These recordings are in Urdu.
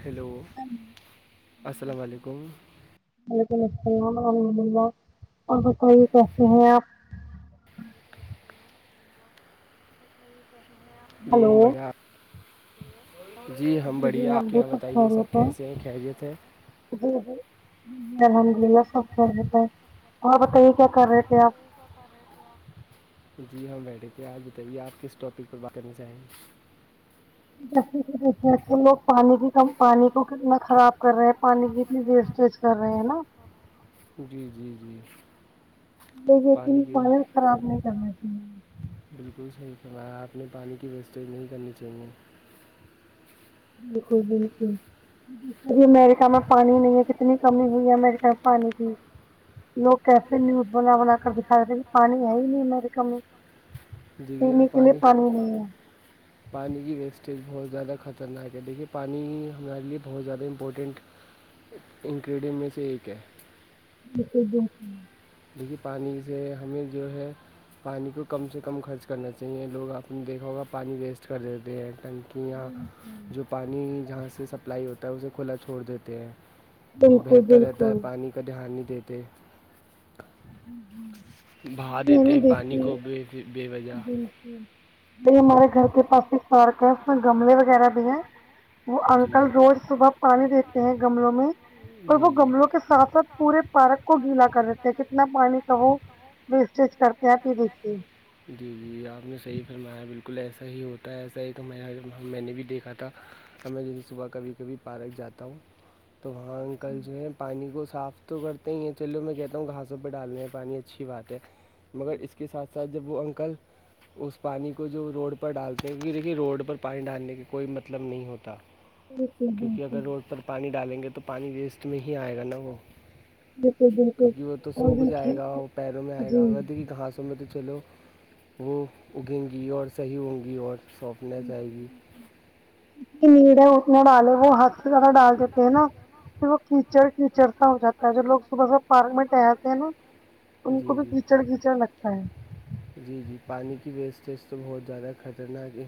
ہیلو السلام علیکم وعلیکم السلام الحم اللہ اور بتائیے کیسے ہیں آپ یہ بڑیا جی ہم بڑھیا آپ کے یہاں بتائیے سب کیسے ہیں خیرییت ہے ہوں ہوں جی الحمد للہ سب کہ رہتا ہے اور بتائیے کیا کر رہے تھے آپ جی ہم بیٹھے تھے آج بتائیے آپ کس ٹاپک پر بات کرنا چاہیں گے جیسے دیکھ لوگ پانی بھی کم پانی کو کتنا خراب کر رہے پانی کی اتنی دیر اسٹریج کر رہے ہیں نا جی جی جی دیکے ف خراب نہیں کرنا چاہیے بالکل صحیح کہمایا آپ نے پانی کی ویسٹیج نہیں کرنی چاہئے بالکل بالکل اب امریکا میں پانی نہیں ہے کتنی کمی ہوئی ہے امریکا میں پانی کی لوگ کیسے نہیں بنا بنا کر دکھا دیتے ہیں کہ پانی ہے ہی نہیں میرے کام میں پ ن کے لیے پانی نہیں ہے پانی کی ویسٹیج بہت زیادہ خطرناک ہے دیکھیے پانی ہمارے لیے بہت زیادہ امپورٹنٹ انگریڈینٹ میں سے ایک ہے ایک د دیکھیے پانی سے ہمیں جو ہے پانی کو کم سے کم خرچ کرنا چاہیے لوگ آپ نے دیکھا ہوگا پانی ویسٹ کر دیتے ہیں ک کہ یہاں جو پانی جہاں سے سپلائی ہوتا ہے اسے کھلا چھوڑ دیتے ہیں وہ بہتر رہتا ہے پانی کا دھیان نہیں دیتے نا ب ب ب ہمارے گھر کے پاس ایک پارک ہے اس میں گملے وغیرہ بھی ہے وہ انکل روز صبح پانی دیتے ہیں گملوں میں اور وہ گملوں کے ساتھ ساتھ پورے پارک کو گیلا کر دیتے ہیں کتنا پانی کا وہ ویسٹیج کرتے ہیں آپ یہ دیکھیے جی جی آپ نے صحیح فرمایا بالکل ایسا ہی ہوتا ہے ایسا ہی کہ میں میں نے بھی دیکھا تھا تو میں جب صبح کبھی کبھی پارک جاتا ہوں تو وہاں انکل جو ہے پانی کو صاف تو کرتے ہی ہیں چلو میں کہتا ہوں گھاسوں پہ ڈالنا ہے پانی اچھی بات ہے مگر اس کے ساتھ سات تب جب وہ انکل اس پانی کو جو روڈ پر ڈالتے ہیں وہ دیکھیے روڈ پر پانی ڈالنے کا کوئی مطلب نہیں ہوتا کیونکہ اگر روڈ پر پانی ڈالیں گے تو پانی ویسٹ میں ہی آئے گا نا وہ کیونکہ وہ تو سوکھ جائے گا وہ پیروں میں آئے گا اگر دیکھیے گاس اس میں تو چلو وہ اگیں گی اور صحیح ہوں گی اور سافٹنیس آئے گی جنی میڑ ہے اتنا ڈالے وہ ہد سے زدہ ڈال دیتے ہیں نا پ وہ کیچڑ کیچڑ سا ہو جاتا ہے جو لوگ صبح سب فارم میں ٹہراتے ہیں نا ان کو بھی کیچڑ کیچڑ لگتا ہے جی جی پانی کی ویسٹیج تو بہت زیادہ خطرناک ہے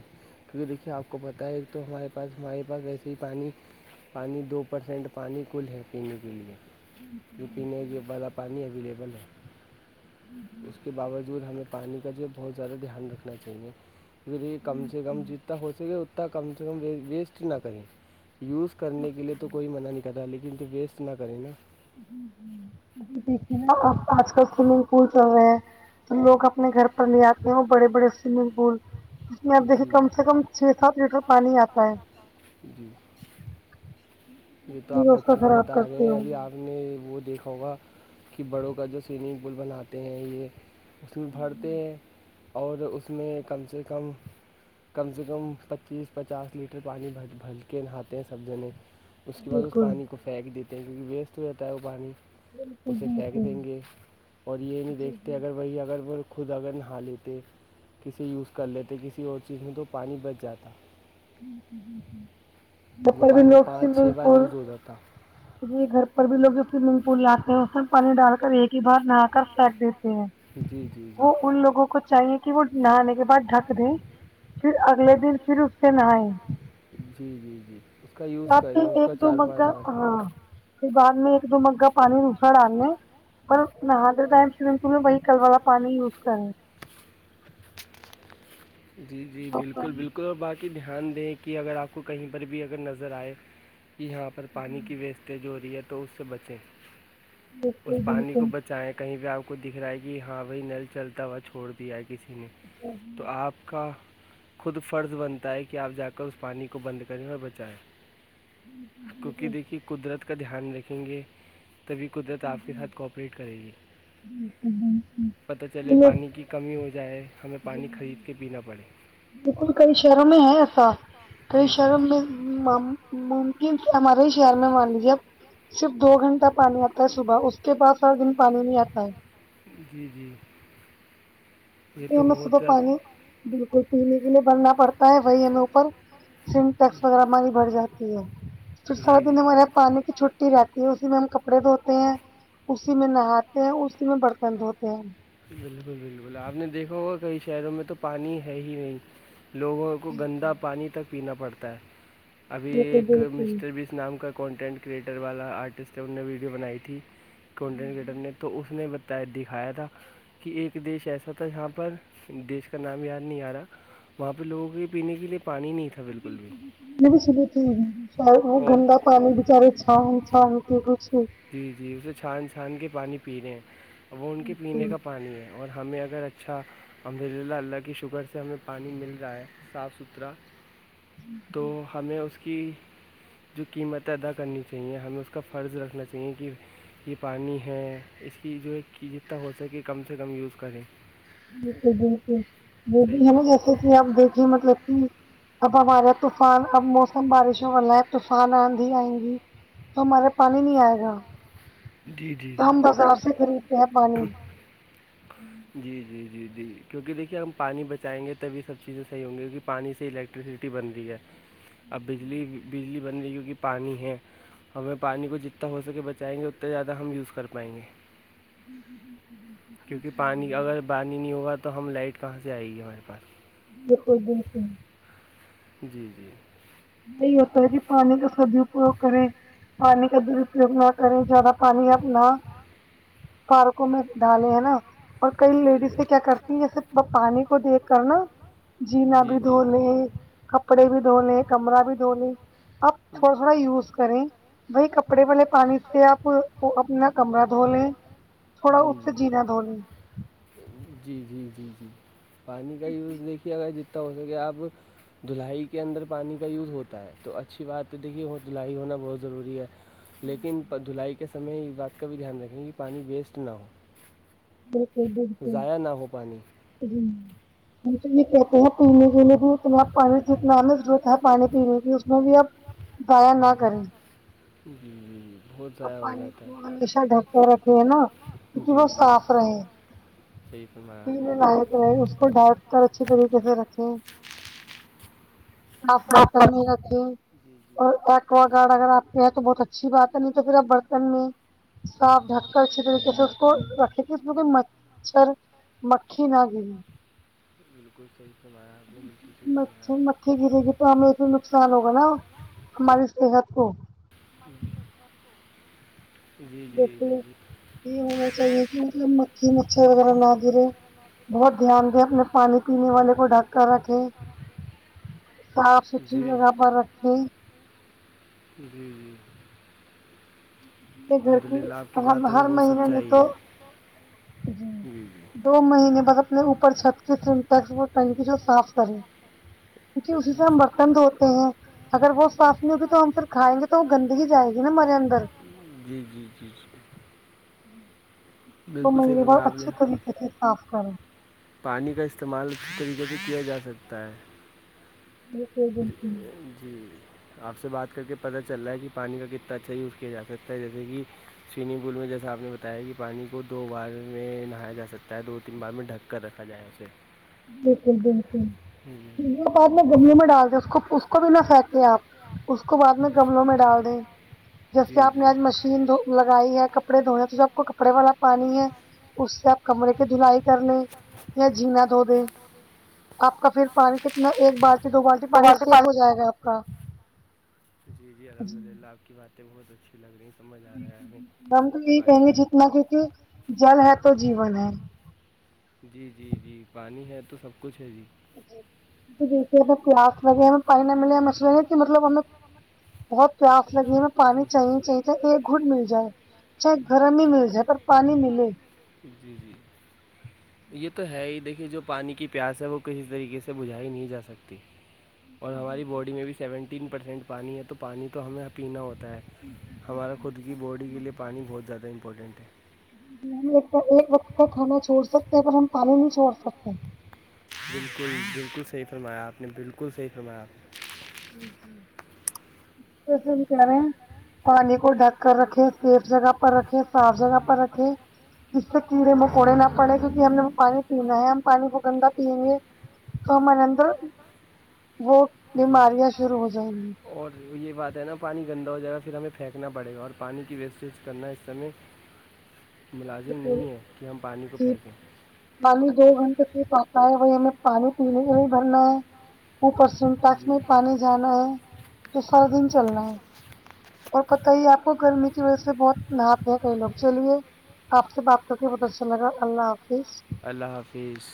اہ دیکھیے آپ کو پت ہے ایک تو ہمارے پاس ہمارے پاس وسے ہی پانی پانی دو پرسینٹ پانی کل ہے پینے کے لیے ی پینے یہ والدا پانی اویلیبل ہے اس کے باوجود ہمیں پانی کا جو بہت زیادہ دھیان رکھنا چاہیے پھر یہ کم سے کم جت ج ہو س گے اتنا کم سے کم ویسٹ ہی نہ کریں یوز کرنے کے لیے تو کوئی منع نہیں کر رہا لیکن تو ویسٹ نہ کریں گا ج ج ابھی دیکھیے نا آپ آج کل سوئمنگ پول چل رہے ہیں تو لوگ اپنے گھر پر لے آتے ہیں وہ بڑے بڑے سوئمنگ پول اب دیکھیے کم سے کم چھ سات لیٹر پانی آتا ہے جی یہ تو آپ بچے کو بتا رہے ہیں ابھی آپ نے وہ دیکھا ہوگا کہ بڑوں کا جو سوئمنگ پول بناتے ہیں یہ اس میں بھرتے ہیں اور اس میں کم سے کم کم سے کم پچیس پچاس لیٹر پانی بھ بل کے نہاتے ہیں سب جنے اس کے بعد اس پانی کو پھینک دیتے ہیں کیونکہ ویسٹ ہو جتا ہے وہ پانی اسے پھینک دیں گے اور یہ نہیں دیکھتے اگر وہی اگر وہ خود اگر نہا لیتے کسی یوز کر لیتے کسی اور چیز میں تو پانی بچ جاتا بپر بھی نوک سے یوز ہو جاتا گھر پر بھی لوگ جو سومنگ پول لاتے ہیں وہ سب پانی ڈال کر ایک ہی بار نہا کر پک دیتے ہیں وہ ان لوگوں کو چاہیے کہ کہ وہ نہانے کے بعد ڈھک دیں پھر اگلے دن پھر اس سے نہائے جی جی جی اس کا یوز کرے اس کا چار پانچ بار پھر بعد میں ایک دو مگگا پانی نوسا ڈالنے پر نہان ائم سے دن تہ وہی کل والا پانی یوز کرے جی جی بالکل بالکل باقی دھیان دیں کہ اگر آپ کو کہیں پر بھی اگر نظر آئے کہ یہاں پر پانی کی ویسٹیج ہو رہی ہے تو اس سے بچیں اس پانی کو بچائیں کہیں بھی آپ کو کو دکھ رہا ہے کہ ہاں بھائی نل چلتا ہوا چھوڑ دیا ہے کسی نے تو آپ کا خود فرض بنتا ہے کہ آپ جا کر اس پانی کو بند کریں اور بچائیں کیونکہ دیکھیے قدرت کا دھیان رکھیں گے تبھی قدرت آپ کے ساتھ کوپریٹ کرے گی پتہ چلے پانی کی کمی ہو جائے ہمیں پانی خرید بالکل کئی شہروں میں ہے ایسا کئی شہروں میں ممکن ہمارے ہی شہر میں مان لیجے آپ صرف دو گھنٹہ پانی آتا ہے صبح اس کے پاس ہر دن پانی نہیں آتا ہے جی جی یہ تو بہت بالکل پینے کے لیے بھرنا پڑتا ہے وہی ہمیں اوپر سم ٹیکس وغیرہ ہمانی بھر جاتی پھر ساتا دن ہمارے یہاں پانی کی چھٹی رہتی ہے اسی میں ہم کپڑے دھوتے ہیں اسی میں نہاتے ہیں اسی میں برتن دھوتے ہیں بالکل بالکل آپ نے دیکھا ہوگا کئی شہروں میں تو پانی ہے ہی نہیں لوگوں کو گندا پانی تک پینا پڑتا ہے ابھی ایک مسٹر بھیس نام کا کنٹینٹ کریئٹر والا آرٹسٹ ہے ان نے ویڈیو بنائی تھی کوٹین گٹر نے تو اس نے ب دکھایا تھا کہ ایک دیش ایسا تھا جہاں پر دیش کا نام یاد نہیں آ رہا وہاں پہ لوگوں کے پینے کے لیے پانی نہیں تھا بھی س ت ش گندا پانی بچار چھ ہ چھ ہگ چ جی جی اسے چھان چھان کے پانی پی رہے ہیں ا وہ ان کے پینے کا پانی ہے اور ہمیں اگر اچھا الحمد للہ اللہ کے شکر سے ہمیں پانی مل رہا ہے صاف ستھرا تو ہمیں اس کی جو قیمتیں ادا کرنی چاہیے ہمیں اس کا فرض رکھنا چاہیے کہ یہ پانی ہے اس کی جو ہے کہ جتنا ہو سکے کم سے کم یوز کریں بالکل بالکل وہ بھی ہے نا جیسے کہ آپ دیکھیے مطلب کہ اب ہمارا طوفان اب موسم بارشوں والا ہے طوفان آندھی آئیں گی تو ہمارا پانی نہیں آئے گا ہم بازار سے خریدتے ہیں پانی جی جی جی جی کیونکہ دیکھیے ہم پانی بچائیں گے تبھی سب چیزیں صحی ہوں گی کیونک پانی سے الیکٹریسٹی ٹی بن رہی ہے اب بجلی بجلی بن رہی ہے کیونکہ پانی ہے ہمیں پانی کو جتنا ہو سکے بچائیں گے اتنے زیادہ ہم یوز کر پائیں گے ہ ہ ہ ہ ہ ہ کیونکہ پانی اگر پانی نہیں ہوگا تو ہم لائٹ کہاں سے آئے گی ہمارے پاس دھو ا دن ت جی جی یہی ہوتا ہے کہ پانی کا سدپیوگ کریں پانی کا درپیوگ نہ کریں زیادہ پانی آنا پارکوں میں ڈالیں ہے نا اور کئی لیڈیز کیا کرتی ہیں جیسے پانی کو دیکھ کر نا جینا بھی دھو لیں کپڑے بھی دھو لیں کمرہ بھی دھو لیں اپ تھوڑا تھوڑا یوز کریں بھائی کپڑے والے پانی سے آپ اپنا کمرہ دھو لیں جی میڈم جی جی جی جی پانی کا یوز دیکھیے اگر جتنا ہو سکے آپ دلہائی کے اندر پانی کا یوز ہوتا ہے تو اچھی بات ہے دیکھیے وہ دلہائی ہونا بہت ضروری ہے لیکن دھلائی کے سمے اس بات کا بھی دھیان رکھیں کہ پانی ویسٹ نہ ہو جال ج جی ضائع نہ ہو پانی جی ہم تو یہ کہتے ہیں پینے کےے بھی اتنا پانی جتنا آناضرورت پانی پینے کی اس بھی آب دضائع نہ کریں ا پانی کو ہمیشہ ڈکتے رکھے ہیں نا کیونکہ وہ صاف رہے ج کمار پینے لے اس کو ڈھٹ کر اچھیے طریقے سے رکھے صاف برتن نہیں رکھے اور ایکوا گارڈ اگر آپ کے یہاں تو بہت اچھی بات ہے نہیں تو پھر اب برتن میں صاف ڈھک کر اچھی طریقے سے اس کو رکھے گے اس کہ مچھر مکھی نہ گئی بالکل صحیح سمایا اپ نے بالکل صی سناایا ٹھیک ہے دیکھییکے تو ہمیں ا نقصان ہوگا نا ہماری صحت کو جی جی دھے یہ ہونا چاہیے کہ مطلب مکھی مچھھر وغیرہ نہ گرے بہت دھیان دیں اپنے پانی پینے والے کو ڈھک کر رکھے صاف ستھری جگہ پر رکھے جی جی الحمد للہ آپ کی باتوںیں بہت سچائی ہے جی جی دو مہینے بس اپنے اوپر چھت کے ن تک وہ ٹنکی جو صاف کرے کیونکہ اسی سے ہم برتن دھوتے ہیں اگر وہ صاف نہیں ہوگی تو ہم پھر کائیں گے تو وہ گندگی جائے گی نا مارے اندر جی جی جی جی وہ مے ب اچھی طریقے سے صاف کریں پانی کا استعمال کس طریقے سے کیا جا سکتا ہے جی آپ سے بات کر کے پتہ چل رہا ہے کہ پانی کا کتنا اچھا یوز کیا جا سکتا ہے جیسے کہ سوئمنگ پول میں جیسا آپ نے بتایا کہ پانی کو دو بار میں نہایا جا سکتا ہے دو تین بار میں ڈھک کر رکھا جائے اسے بالکل بالکل پھر بعد میں گمی میں ڈال د اس کو کو بھی نہ پھینکے آپ اس کو بعد میں گملوں میں ڈال دیں جیسے آپ نے آج مشین د لگائی ہے کپڑے دھونے تو جو آپ کو کپڑے والا پانی ہے اس سے آپ کمرے کی دھلائی کر لیں یا جینا دھو دیں آپ کا پھر پانی کتنا ایک بالٹی دو بالٹی پانی سیف ہو جائے گا آپ کا جی جی الحمد للہ آپ کی باتیں بہت اچھی لگ رہی ہیں سمجھ ہم تو یہی کہیں گے جتنا کیکہ جل ہے تو جیون ہے جی جی جی پانی ہے تو سب کچھ ہے جی ج جیسے پلاس وغیرہ میں پائ نہ ملے مچ مطلب ہمیں بہت پیاس لگی ہمیں پانی چاہی چاہی ایک گھٹ مل جائے اچھا ایک گھر میں ہی مل جائے ا پر پانی ملے ج جی جی یہ تو ہے ہی دیکھیے جو پانی کی پیاس ہے وہ کسی طریقے سے بجھائی نہیں جا سکتی جی اور ہماری باڈی میں بھی سیونٹین پرسینٹ پانی ہے تو پانی تو ہمیں پینا ہوتا ہے ہمارا خود کی باڈی کے لیئے پانی بہت زیادہ امپورٹنٹ ہے ہم ایک وقت کا کھانا چھوڑ سکتے ہیں پر ہم پالے نہیں چھوڑ سکتے بالکل بالکل صحیح فرمایا آپ نے بالکل صحیح فرمایا ج ج پے کہہ رہے ہیں پانی کو ڈھک کر رکھے سیف جگہ پر رکھیں صاف جگہ پر رکھیں جس سے کیڑے مکوڑے نہ پڑے کیونکہ ہم نے پانی پینا ہے ہم پانی کو گندا پیئیں گے تو ہمارے اندر وہ بیماریاں شروع ہو جائیں گی اور یہ بات ہے نا پانی گندا ہو جائے گا پھر ہمیں پھینکنا پڑے گا اور پانی کی ویسٹیج کرنا اس سمے [inaudible] ملازم نہیں ہے کہ ہم پانی کو پھینکیں نالی دو گھنٹے پٹ آتا ہے وہی ہمیں پانی پینے کے ہی بھرنا ہے اوپر سن پس میں پانی جانا ہے تو سر دن چلنا ہے اور پت ہی آپ کو گرمی کی وجہ سے بہت ناپ ہے کئی لوگ چلیے آپ سے بات کر کے بہت اچھا لگا اللہ حافظ اللہ حافظ